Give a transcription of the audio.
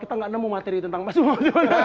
kita enggak nemu materi tentang mas umam